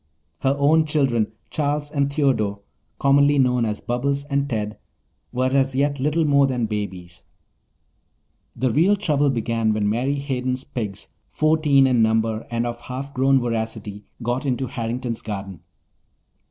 Her own children, Charles and Theodore, commonly known as Bobbles and Ted, were as yet little more than babies. The real trouble began when Mary Hayden's pigs, fourteen in number and of half grown voracity, got into Harrington's garden.